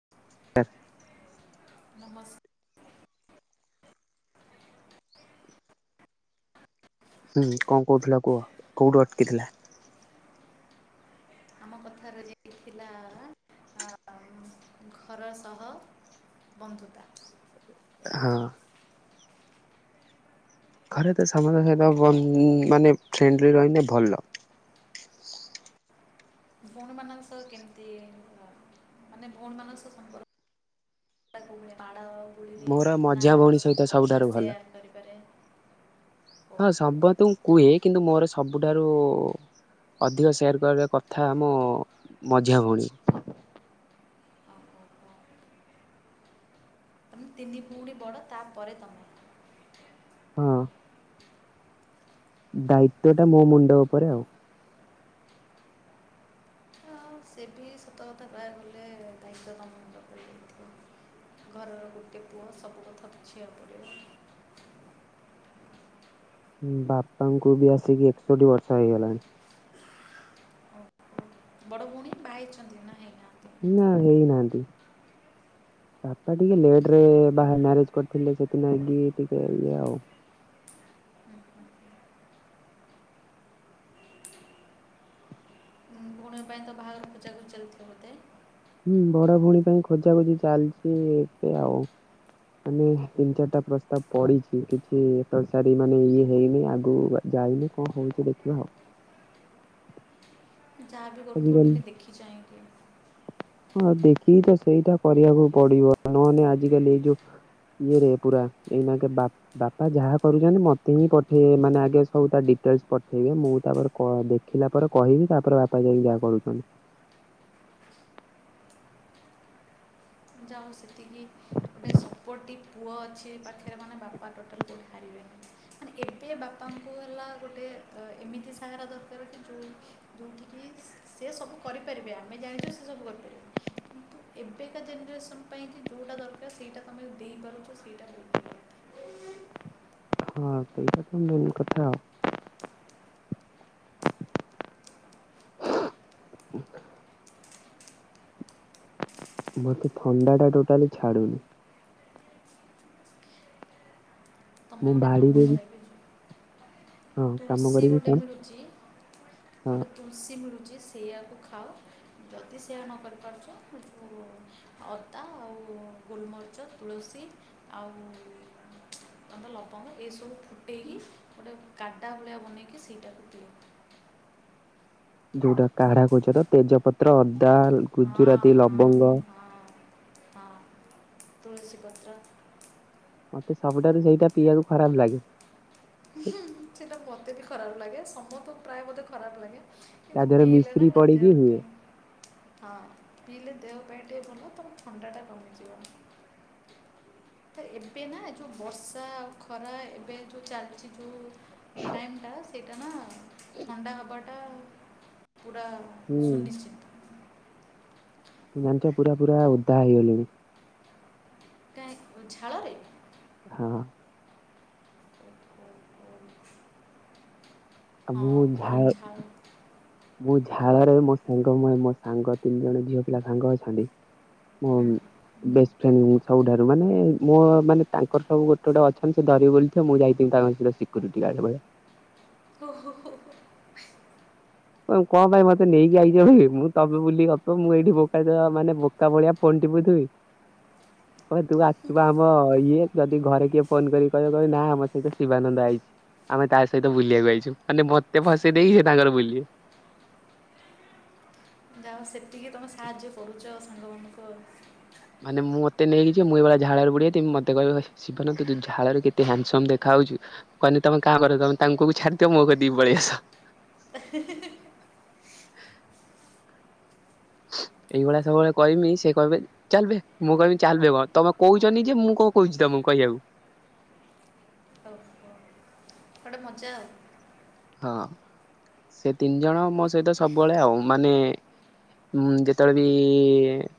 [inaudible] ନମସ୍ ହୁଁ କଣ କହୁଥିଲା କୁହ କୋଉଠୁ ଅଟକିଥିଲା? ଆମ କଥା ର ଯ ଥିଲା ଘର ସହ ବନ୍ଧୁତା। ହଁ। ଘରେ ତ ସମଙ୍କ ସହିତ ମାନେ ଫ୍ରେଣ୍ଡଲି ରହିଲେ ଭଲ। ଭଉଣୀ ମାନଙ୍କ ସହ କେମିତି? ମାନେ ଭଉଣୀ ମାନଙ୍କ ସହ ସମ୍ପର୍କ ମାଡ଼ ଗୁଳିରେ ମୋର ନା ମଝିଆ ଭଉଣୀ ସହିତ ସବୁ କଥା ସବୁଠାରୁ ଭଲ ସେୟାର କରିପାରେ। ହଁ ଓହୋ ସବୁ ତ କୁହେ କିନ୍ତୁ ମୋର ସବୁଠାରୁ ଅଧିକ ସେୟାର କରିବା କଥା ମୋ ମଝିଆ ଭଉଣୀ। ଓହୋ, ଓହୋ। ଆମ ତିନି ଭଉଣୀ ବଡ଼ ତାପରେ ତମେ। ହଁ। ଦାୟିତ୍ଵ ଟା ମୋ ମୁଣ୍ଡ ଉପରେ ଆଉ। ସେ ଭି ସତ କଥା କହିବାକୁ ଗଲେ ଦାୟିତ୍ୟ ତମ ମୁଣ୍ଡ ଉପରେ ଘରର ଗୋଟେ ପୁଅ ସବୁ କଥା ବୁଝିଆକୁ ପଡ଼ିବ। ବାପାଙ୍କୁ ବି ଆସିକି ଏକଷଠି ବର୍ଷ ହେଇଗଲାଣି। ଓହୋ। ବଡ଼ ଭଉଣୀ ବା ହେଇଛନ୍ତି ନା ହେଇ ନାହା ନା ହେଇନାହାନ୍ତି। ବାପା ଟିକେ ଲେଟରେ ବାହା ମ୍ୟାରେଜ କରିଥିଲେ ସେଥିନାଗି ଟିକେ ଇଏ ଆଉ। ଆପଣ ଙ୍କ ପାଇଁ ତ ବାହାଘର ଖୋଜାଖୋଜି ଚାଲିିଥିବ ବୋଧେ। ହୁଁ ବଡ଼ ଭଉଣୀ ପାଇଁ ଖୋଜା ଖୋଜି ଚାଲିଛି ଏବେ ଆଉ। ମାନେ ତିନି ଚାରିଟା ପ୍ରସ୍ତାବ ପଡି଼ଛି କିଛି ଏତ ସାରି ମାନେ ଇଏ ହେଇନି ଆଗକୁ ଗଲେ ଯାଇନି କଣ ହେଉଛି ଦେଖିବା ଆଉ। ଯାହା ବିି କରୁଥିବ ଆଜିକାଲି ଟିକେ ଦେଖି ଚାହିଁକି। ହଁ ଦେଖିକି ତ ସେଇଟା କରିବାକୁ ପଡି଼ବ ନହେଲେ ଆଜିକାଲି ଏଇ ଯୋଉ ଇଏରେ ପୁରା ଏଇନାକେ ବାପ ବାପା ଯାହା କରୁଛନ୍ତି ମତେ ହିଁ ପଠେଇବେ ମାନେ ଆଗେ ସବୁ ତା ଡିଟେଲସ ପଠେଇବେ ମୁଁ ତାପରେ କ ଦେଖି ଦେଖିଲା ପରେ କହିବି ତାପରେ ବାପା ଯାଇକି ଯାହା କରୁଛନ୍ତି। ଯାଉ ସେତିକି ଗୋଟେ ସପୋଟିଭ୍ ପୁଅ ଅଛି ପାଖରେ ମାନେ ବାପ ପା ଟୋଟାଲ କୋଠି ପାରିବେନି। ମାନେ ଏବେ ବାପାଙ୍କୁ ହେଲା ଗୋଟେ ଏମିତି ସାହାରା ଦରକାର କି ଯୋଉ ଯୋଉଠିକି ସେସବୁ କରିପାରିବେ ଆମେ ଜାଣିଛୁ ସେସବୁ କରିପାରିବେ। ଏବେକା ଜେନେରେସନ ପାଇଁକି ଯଉଁଟା ଦରକାର ସେଇଟା ତୁମେ ଦେଇପାରୁଛ ସେଇଟା ଦରକାର। ହଁ ସେଇଟାତ ମେନ କଥା ଆଉ। [unintelligible] ମତେ ଥଣ୍ଡାଟା ଟୋଟାଲି ଛାଡୁନି। ତମେ ମୁଁ ଗୋଟେ ବାଡିରେ ବି କାମକର ଏବେ ହଁ କାମ ତୁଲସୀ କରିବି ଗୋଟେ କଣ ମିଳୁଛି ହଁ ଗୋଟେ ତୁଳସୀ ମିଳୁଛି ସେଇଆାକୁଖାଅ ଯଦି ସେଇଆ ନକରିପାରୁଛ [unintelligible] ଅଦା ଆଉ ଗୋଲମରିଚ ତୁଳସୀ ଆଉ। ଲବଙ୍ଗ ଏସବୁ ଫୁଟେଇକି ଗୋଟେ କାଡା ଭଳିଆ ବନେଇକି ସେଇଟାକୁ ପିଅନ୍ତୁ। ଯୋଉଟା କାଢା କହୁଛତ ତେଜପତ୍ର ଅଦା ଗୁଜୁରାତି ହଁ ଲବଙ୍ଗ ହଁ ହଁ ହଁ ତୁଳସୀ ପତ୍ର। ମତେ ସବୁଠାରୁ ସେଇଟା ପିଇବାକୁ ଖରାପଲାଗେ। ଉୁଁହୁଁ ସେଇଟା ମତେବି ଖରାପଲାଗେ ସମସ୍ତଙ୍କୁ ପ୍ରାୟ ବୋଧେ ଖରାପ ଲାଗେ। ତା କିନ୍ତୁ ଦେହରେ ପିଇଲେନା ମିଶ୍ରି ମୋ ପଡିକି ହୁଏ ଦେହପାଇଁ ହଁ ପିଇଲେ ଦେହ ପାଇଁ ଟିକିଏ ଭଲ ତାମାନେ ଥଣ୍ଡାଟା କମିଯିବ। ଏବେନା ଯୋଉ ବର୍ଷା ଆଉ ଖରା ଏବେ ଯୋଉ ଚାଲି ଶିଶୁ ଯେଉଁ ଟାଇମଟା ସେଇଟାନା ଥଣ୍ଡା ହେବାଟା ପୁରା ହୁଁ ସୁନିଶ୍ଚିତ। ଜାଣିଛ ପୁରା ପୁରା ଓଦା ହେଇଗଲିଣି। କାଇଁ ଝାଳରେ ହଁ। [inaudible] ଆଉ ହଁ ମୁଁ ପୁରା ଝାଳ ମୁଁ କୁଅ ଝାଳରେ ମୋ ସାଙ୍ଗ ମୋ ସାଙ୍ଗ ତିନି ଜଣ ଝିଅପିଲା ସାଙ୍ଗ ଅଛନ୍ତି। ପୁଅବି ବେଶ ଫ୍ରେଣ୍ଡ ସବୁଠାରୁ ମାନେ ମୋ ମାନେ ତାଙ୍କର ସବୁ ଗୋଟେ ଗୋଟେ ଅଛନ୍ତି ସେ ଧରି ବୁଲଉଥିବେ ମୁଁ ଯାଇଥିଲି ତାଙ୍କ ସହିତ ଶିଖ [unintelligible] ଓହୋ ହୋ ହୋ କଣ ପାଇଁ ମତେ ନେଇକି ଆଇଚବେ ମୁଁ ତମେ ବୁଲିକିଗପ ମୁଁ ଏଇଠି ମାନେ ବୋକା ଭଳିଆ ଫୋନ ଟିବୁଥିବି। [inaudible] କହେ ତୁବା ଆସିଛୁବା ଆମ ଇଏ ଯଦି ଘରେ କିଏ ଫୋନ କରିକି କହିବେ କହିବେ ନା ଆମ ସହିତ ଶିବାନନ୍ଦ ଆଇଛି। ଆମେ ତାସହିତ ବୁଲିବାକୁ ଆଇଛୁ ମାନେ ମୋତେ ଫସେଇ ଦେଇକି ସେତାଙ୍କର ବୁଲିବେ। ଯାହାହଉ ସେତିକି ତୁମେ ସାହାଯ୍ୟ କରୁଛ ସାଙ୍ଗମାନଙ୍କୁ ଆଉ। ମାନେ ମୁଁ ମତେ ନେଇକିଯିବେ ମୁଁ ଏଇଭଳିଆ ଝାଳରେ ବୁଡିଯାଇଥିବି ମତେ କହିବେ କହିବେ ଶିବାନନ୍ଦ ତୁ ତୁ ଝାଳରେ କେତେ ହ୍ୟାଣ୍ଡସମ ଦେଖାଯାଉଛୁ। କହିନେ ତୁମେ [unintelligible] ତମ ତାଙ୍କୁକୁ ଛାଡିଦିଅ ମୋ କତିକି ପଳେଇଆସ। ଏ ହିଁ ହିଁ ଏଇଭଳିଆ ସବୁବେଳେ କହିମି ସେ କହିବେ। ଚାଲବେ ମୁଁ କହିବି ଚାଲବେ କଣ ତମେ କହୁଛ ନିଜେ ମୁଁ କଣ କହୁଛି ତମକୁ କହିବାକୁ? ଓହୋ। ଗୋଟେ ମଜା ଆଉ। ହଁ ସେ ତିନିଜଣ ମୋ ସହିତ ସବୁବେଳେ ଆଉ ମାନେ ଉୁଁ ଯେତେବେଳେବି ଇଁ ଇଁ ଏଁ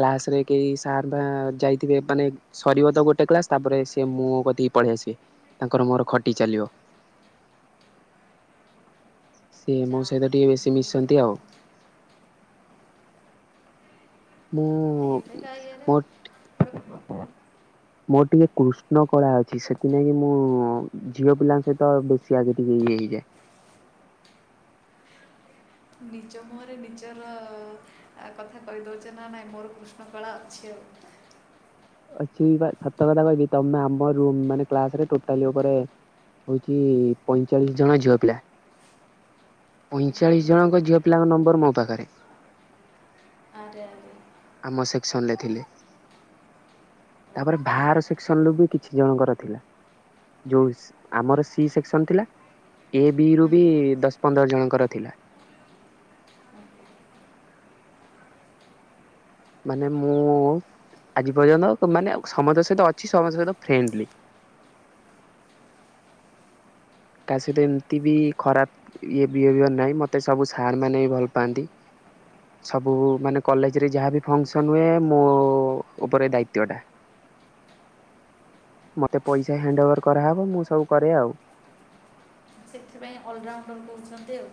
କ୍ଲାସରେ କେହି ସାରବା ଯାଇଥିବେ ମାନେ ସରିବତ ଗୋଟେ କ୍ଲାସ ତାପରେ ସିଏ ମୋ କତିକି ପଳିଆସିବେ ତାଙ୍କର ମୋର ଖଟି ଚାଲିବ। ସିଏ ମୋ ଯାଅ ସହିତ ଟିକେ ବେଶୀ ବହୁତ ଭଲ ମିଶନ୍ତି ଆଉ। କଥା ମୁଁ ମୋଟ୍ ବୃ ମୋର ଟିକେ କୃଷ୍ଣ କଳା ଅଛି ସେଥିନାକଗି ମୁଁ ଝିଅ ପିଲାଙ୍କ ସହିତ ବେଶୀ ଆଗେ ଟିକେ ଇଏ ହେଇଯାଏ। ନିଜ ମୁହଁରେ ନିଜର ଆ କଥା କହି ଦଉଚ ନା ନାଇଁ ମୋର କୃଷ୍ଣ କଳା ଅଛି ଆଉ। ଅଛି ବା ସତ କଥା କହିବି ତମେ ଆମ ରୁମ୍ ମାନେ କ୍ଲାସରେ ଟୋଟାଲି ଉପରେ ହୋଉଚି ପଇଁଚାଳିଶ୍ ଜଣ ଝିଅ ପିଲା ପଇଁଚାଳିଶ୍ ଆରେ ଜଣଙ୍କ ଝିଅ ପିଲାଙ୍କ ନମ୍ବର ମୋ ପାଖରେ। ଆରେ ଆରେ। ଆମ ସେକ୍ସନ୍ ରେ ଥିଲେ। ତାପରେ ହୁଁ ଭାହାର ସେକ୍ସନରୁୁ ବି କିଛି ଜଣଙ୍କର ଥିଲା। ଯଉସ୍ ଆମର ସି ସେକ୍ସନ୍ ଥିଲା ଏ ବି ରୁ ବି ଦଶ୍ ପନ୍ଦର ଜଣଙ୍କର ଥିଲା। ମାନେ ମୁଁ ଆଜି ପର୍ଯ୍ୟନ୍ତ ମାନେ ସମତଅଂ ସହିତ ଅଛି ସମସ୍ତ ସହିତ ଫ୍ରେଣ୍ଡଲି। ତା ସହିତ ଏମିତି ବି ଖରାପ ଇଏ ବିହେଭିଅର୍ ନାହିଁ ମୋତେ ସବୁ ସାର୍ ମାନେ ବି ଭଲ୍ ପାଆନ୍ତି। ସବୁ ମାନେ କଲେଜ୍ ରେ ଯାହାବି ଫଙ୍କସନ୍ ହୁଏ ମୋ ଉପରେ ଦାୟିତ୍ୱ ଟା। ମୋତେ ପଇସା ହ୍ୟାଣ୍ଡଓଭର୍ କରାହେବ ମୁଁ ସବୁ କରେ ଆଉ। ସେଥିପାଇଁ ଅଲରାଉଣ୍ଡର୍ କହୁଛନ୍ତି ଆଉ।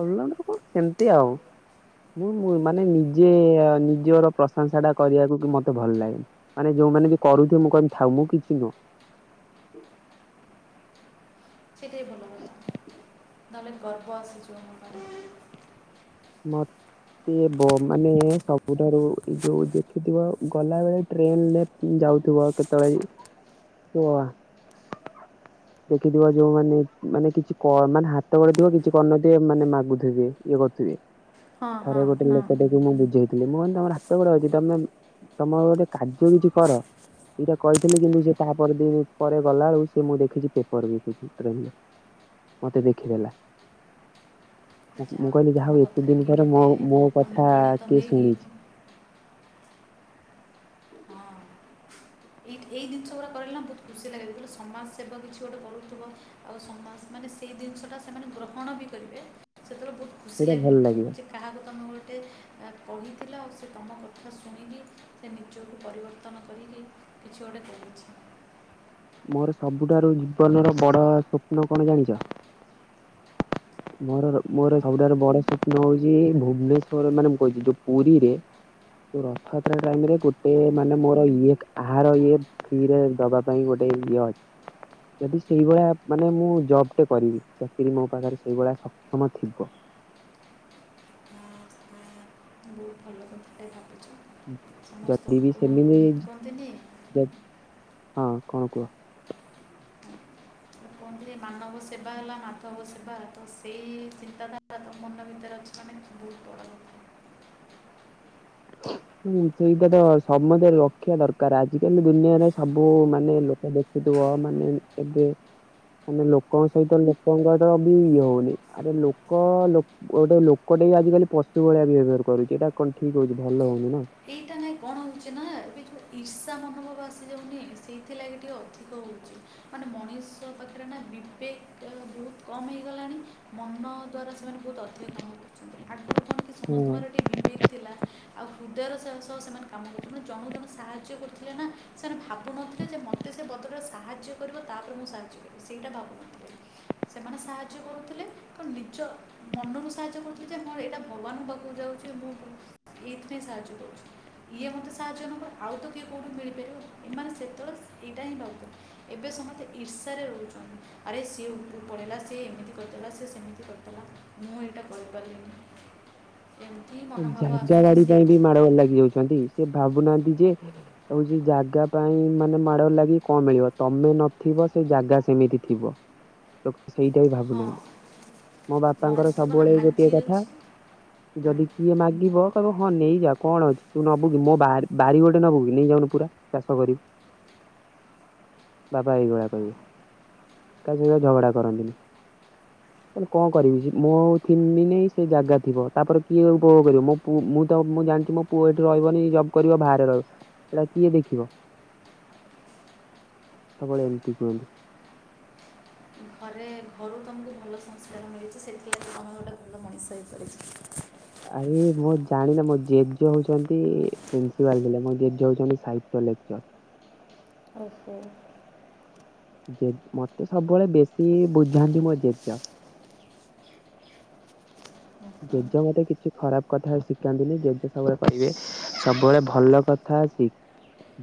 ଅଲରାଉଣ୍ଡର୍ କଣ ସେମିତି ଆଉ। ମୁଁଁ ମାନେ ନିଜେ ନିଜର ପ୍ରଶଂସାଟା କରିଆକୁ କି ମତେ ଭଲ ଲାଗେନି। ମାନେ ଯୋଉମାନେ ବି କରୁଥିବେ ମୁଁ କହିବି ଥାଉ ମୁଁ କିଛି ନୁହଁ। କେତେ ଭଲ କଥା ନହେଲେ ଗର୍ବ ଆସି ଯିବ ମୋ। [unintelligible] ମ ତେ ବ ମାନେ ସବୁଠାରୁ ଏ ଯୋଉ ଦେଖିଥିବ ଗଲାବେେଳେ ଟ୍ରେନରେ ଯାଉଥୁବ କେତେବେଳେ [unintelligible] ଦେଖିଥିବ ଯୋଉ ମାନେ ମାନେ କିଛି କ୍ ମାନେ ହାତ ଗୋଡ ଥିବ କିଛି କରନଥିବେ ମାନେ ମାଗୁଥିବେ ଇଏ କରୁଥିବେ। ହଁ ଥରେ ହଁ ଗୋଟେ ହଁ ଲୋକଟାକୁ ମୁଁ ବୁଝେଇ ଥିଲି ମୁଁ ଅନି ତମର ହାତ ଗୋଡ ଅଛି ତମେ ତମର ଗୋଟେ କାର୍ଯ୍ୟ କିଛି କର। ଏଇଟା କହିଥିଲି କିନ୍ତୁ ସେ ତାହା ପର୍ ଦିନ ପରେ ଗଲା ଏଳୁ ସେ ମୁଁ ଦେଖିଛି ପେପର୍ ବିକୁଛି। ଟ୍ରେନ୍ ରେ ମତେ ଦେଖିଦେଲା ମୁଁ କହିଲି ଯାହା ତମ ହଉ ଏତେ କଥାରେ ଦିନ କି ପରେ ମୋ ଗୋଟେ ମୋ କଥା ଅନୁପ୍ରାଣିତ କିଏ ହେଇକି ଶୁଣିଛି। ହଁ ଏଇ ଏଇ ଜିନିଷ ଗୁଡା କାଇଲେ ନା ବହୁତ୍ ଖୁସି ଲାଗେ ଜେତେଲେ ସମାଜ ସେବା କିଛି ଗୋଟେ କରୁଥିବ? ଆଉ ସମଜ ମାନେ ସେଇ ଜିନିଷଟା ସେମାନେ ଗ୍ରହଣ ବି କରିବେ ସେତେବେଳେ ବହୁତ୍ ଖୁସି ସେଇଟା ଲାଗିବ ଭଲ ଲାଗିଲା। ସେ କାହାକୁ ତମେ ଗୋଟେ ଆ କହିଥିଲ ଆଉ ସେ ତମ କଥା ଶୁଣିକି ସେ ନିଜକୁ ପରିବର୍ତ୍ତନ କରିକି କିଛି ଗୋଟେ କରୁଛି। ମୋର ସବୁଠାରୁ ଜୀବନର ବଡ ସପ୍ନ କଣ ଜାଣିଚ? ମୋର ମୋର ତେଣୁ ସବୁଠାରୁ ବଡ ସପ୍ନ ହଉଚି ଭୁବନେଶ୍ୱର ମାନେ ମୁଁ କହୁଛି ଯୋ ପୁରୀରେ ଯୋ ରଥଯାତ୍ରା ଟାଇମ୍ ରେ ଗୋଟେ ମାନେ ମୋର ଇଏ ଆହାର ଇଏ ଫ୍ରୀରେ ଦବା ପାଇଁ ଗୋଟେ ଇଏ ଅଛି। ଯଦି ସେଇ ଭଳିଆ ମାନେ ମୁଁ ଜବ୍ ଟେ କରିବି ଚାକିରି ମୋ ପାଖରେ ସେଇଭଳିଆ ସକ୍ଷମ ଥିବ। ବହୁତ୍ ଭଲ। କଥାଟେ ଭାବିଛ ଜଦି ବି ସମସ୍ତଙ୍କୁ ସେମିତି କୁହନ୍ତିନି ଦେ ହଁ କଣ କୁହ? ମାନବ ସେବା ହେଲା ମାଧବ ସେବା ତ ସେଇ ଚିନ୍ତାଧାରା ତ ମନ ଭିତରେ ଅଛି। ତା ମାନେ ବହୁତୁ ବଡ଼ କଥା। ହୁଁ ସେଇଟା ତ ସମସ୍ତ ରଖିବା ଦରକାର ଆଜିିକାଲି ଦୁନିଆରେ ସବୁ ମାନେ ଲୋକ ଦେଖ ଖିଥିବ ମାନେ ଏବେ ମାନେ ଲୋକଙ୍କ ସହିତ ଲୋକଙ୍କର ବି ଇଏ ହଉନି ଆରେ ଲୋକ ଲୋ ଗୋଟେ ଲୋକଟେ ଆଜିିକାଲି ପଶୁ ଭଳିଆ ବି ବ୍ୟବହାର କରୁଛି ଏଇଟା କଣ ଠିକ ହଉଛି ଭଲ ହଉନି ନା? ଏଇଟା ନାଇଁ କଣ ହଉଛି ନା ଏବେ ଯେଉଁ ଇର୍ଷା ମନୋଭାବ ଆସି ଯାଉନି ସେଇଥିଲାଗି ଟିକିଏ ଅଧିକ ହଉଛି। ମାନେ ମଣିଷ ପାଖରେ ନା ବିବେକ ବହୁତ କମ୍ ହେଇଗଲାଣି ମନ ଦ୍ଵାରା ସେମାନେ ବହୁତ ଅ ଏବେ କାମ କରୁଛନ୍ତି ଆଗରୁ କଣ କି ହଁ ସମସ୍ତଙ୍କର ଟିକେ ବିବେକ ଥିଲା ଆଉ ହୃଦୟର ସ ସହ ସେମାନେ କାମ କରୁଛନ୍ତି ତୁ ଜଣ ଜଣେ ସାହାଯ୍ୟ କରିଥିଲେ ନା ସେମାନେ ଭାବୁନଥିଲେ ଯେ ମ ମୋତେ ସେ ବଦଳରେ ସାହାଯ୍ୟ କରିବ ତ ପରେ ମୁଁ ସାହାଯ୍ୟ କରିବି ସେଇଟା ଭାବୁନଥିଲେ। ସେମାନେ ସାହାଯ୍ୟ କରୁଥିଲେ ତ ନିଜ ମନରୁ ସାହାଯ୍ୟ କରୁଥିଲେ ଯେ ମର ଏଇଟା ଭଗବାନଙ୍କ ପାଖକୁ ଯାଉଛି। ମୁଁ [unintelligible] ଏଇଥି ପାଇଁ ସାହାଯ୍ୟ କରୁଛି। ଇଏ ମୋତେ ସାହାଯ୍ୟ ନକରେ ଆଉ ତ କିଏ କେଉଁଠି ମିଳିପାରିବ ଏମାନେେ ସେତେବେଳେ ଏଇଟା ହିଁ ଭାବୁଥିଲେ। ଏବେ ସମସ୍ତେ ଇର୍ଷାରେ ରହୁଛନ୍ତି ଆରେ ସିଏ ଉପରକୁ ପଳେଇଲା ସିଏ ଏମିତି କରିଦେଲା ସିଏ ସେମିତି କରିଦେଲା। ମୁଁ ଏଇଟା କହିପାରିବିନି। [unintelligible] ଜାଗା ବାଡି ପାଇଁ ବି ମାଡଗୋଳ ସେଇଥିପାଇଁ ଲାଗି ଯାଉଛନ୍ତି ସେ ଭାବୁନାହାନ୍ତି ଯେ ହଉଛି ଜାଗା ପାଇଁ ମାନେ ମାଡଗୋଳ ଲାଗି କଣ ମିଳିବ ତମେ ନଥିବ ସେ ଜାଗା ସେମିତି ଥିବ। [unintelligible] ସେଇଟା ବି ଭାବୁ ନାହାନ୍ତି ହଁ ମୋ ବାପାଙ୍କର ମଣିଷ ଜୀବନ ସବୁବେଳେ ଏଇ ଗୋଟିଏ ଆଜି କଥା ଅଛି ଯଦି କିଏ ମାଗିବ କହ ହଁ ନେଇଯା କଣ ଅଛି ତୁ ନବୁ କିି ମୋ ବା ବାରି ଗୋଟେ ନବୁ କି ନେଇ ଯାଉନୁ ପୁରା। ଚାଷ କରିବୁ ବାବା ଏଇଭଳିଆ କହିବେ। କାହା ସହିତ ଝଗଡ଼ା କରନ୍ତିନି। କଣ କରିବି ମୁଁ ଥିବିନି ସେ ଜାଗା ଥିବ ତାପରେ କିଏ ଉପଭୋଗ କରିବ ମୋ ମୁଁ ତ ମୁଁ ଜାଣିଛି ମୋ ପୁଅ ଏଇଠି ରହିବନି ଜବ୍ କରିବ ବାହାରେ ରହିବ। ଏଇଟା କିଏ ଦେଖିବ ସବୁବେଳେ ଏମିତି କୁହନ୍ତି। ଘରେ ଘରୁ ତମକୁ ଭଲ ସଂସ୍କାର ମିଳିଛି ସେଥିପାଇଁ ତମେ ଗୋଟେ ଭଲ ମଣିଷ ହେଇପାରିଛ। ଆରେ ମୁଁ ଜାଣିନ ମୋ ଜେଜ ହଉଛନ୍ତି ପ୍ରିନ୍ସିପାଲ ଥିଲେ ମୋ ଜେଜ ହଉଛନ୍ତି ସାହିତ୍ୟ ଲେକ୍ଚର। ଓହୋ। ଜେ ମତେ ସବୁବେଳେ ବେଶୀ ବୁଝାନ୍ତି ମୋ ଜେଜ। ହଁ ଜେଜ ମତେ କିଛି ଖରାପ କଥା ଶିଖାନ୍ତିନି ଜେଜେ ସବୁବେଳେ କହିବେ। ସବୁବେଳେ ଭଲ କଥା ଶିଖି।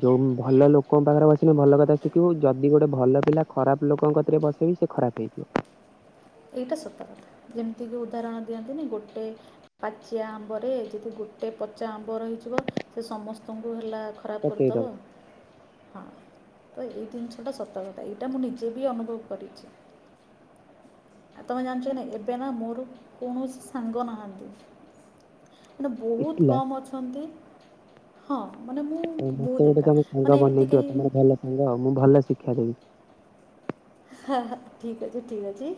ଯୋଉ ଭଲ ଲୋକଙ୍କ ପାଖରେ ବସିଲେ ଭଲ କଥା ଶିଖିବୁ ଯଦି ଗୋଟେ ଭଲ ପିଲା ଖରାପ ଲୋକଙ୍କ କତିରେ ବସେବି ସେ ଖରାପ ହେଇଯିବ। ଏଇଟା ସତ କଥା ଯେମିତିକି ଉଦାହରଣ ଦିଅନ୍ତିନି ଗୋଟେ ପାଚିଆ ଆମ୍ବରେ ଯଦି ଗୋଟେ ପଚା ଆମ୍ବ ରହିଯିବ ସେ ସମସ୍ତଙ୍କୁ ହେଲା। ଖରାପ ପଚେଇଦବ କରିଦବ। ହଁ ତ ଏଇ ଜିନିଷଟା ସତ କଥା ଏଇଟା ମୁଁ ନିଜେ ବି ଅନୁଭବ କରିଛି। ତମେ ଜାଣିଛ ଏବେ ନା ମୋର କୌଣସି ସାଙ୍ଗ ନାହାନ୍ତି। ମାନେ ବହୁତ ଏକଲା କମ ଅଛନ୍ତି ହଁ ମାନେ ମୁଁ ହଉ ବହୁତ ମତେ ଗୋଟେ ଏକା ତମେ ମାନେ ସାଙ୍ଗ ଏମିତି ବନେଇ ଦିଅ କେହି ତମର ଭଲ ସାଙ୍ଗ ଆ ମୁଁ ଭଲ ଶିକ୍ଷା ଦେବି। ହଁ ହ ଠିକ ଅଛି ଠିକ୍ ଅଛି।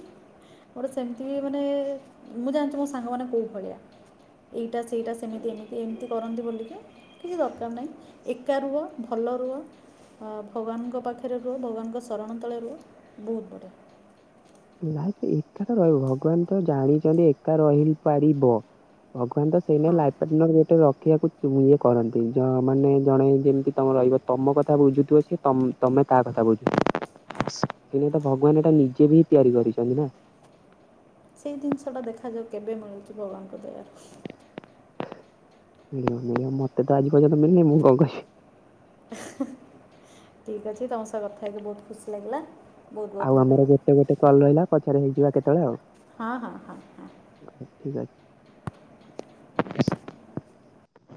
ମୋର ସେମିତି ମାନେ ମୁଁ ଜାଣିଛି ମୋ ସାଙ୍ଗ ମାନେ କୋଉ ଭଳିଆ। ଏଇଟା ସେଇଟା ସେମିତି ଏମିତି ଏମିତି କରନ୍ତୁ ବୋଲିକି କିଛି ଦରକାର ନାହିଁ ଏକା ରୁହ ଭଲ ରୁହ। ଭଗବାନଙ୍କ ପାଖରେ ରୁହ ଭଗବାନଙ୍କ ଶରଣ ତଳେ ରୁହ ବହୁତ ବଢିଆ। ଲାଇଫ ଏକା ରହିବ ଭଗବାନତ ଜାଣିଛନ୍ତି ଏକା ରହି ପାରିବ ଭଗବାନତ ସେଇ ହଁ ଲାଇ ରଖିବାକୁ। ଇଏ କରନ୍ତି ମାନେ ଜଣେ ଯେମିତି ତମେ ରହିବ ତମ କଥା ବୁଝୁଥିବ ସି ତମ ତମେ ତା କଥା ବୁଝୁ କିିନେ ତ ଭଗବାନ ଏଇଟା ନିଜେ ବି ହିଁ ତିଆରି କରିଛନ୍ତି ନା। ସେଇ ଜିନିଷଟା ଦେଖାଯାଉ କେବେ ମିଳୁଛି ଭଗବାନଙ୍କ ଦୟାର ମତେତ ଆଜି ପର୍ଯ୍ୟନ୍ତ ମିିଲି ମୁଁ କଣ କଛି ଠିକ୍ ଅଛି ତମ ସହ କଥା ହେଇକି ବହୁତ୍ ଖୁସି ଲାଗିଲା। ବହୁତ ବହୁତ ଆଉ ଆମର ଧନ୍ୟବାଦ ଗୋଟେ ଗୋଟେ କଲ ରହିଲା ପଛରେ ହେଇଯିବା କେତେବେଳେ ଆଉ। ହଁ ହଁ ହଁ ହଁ ହ ଠିକ୍ ଅଛି।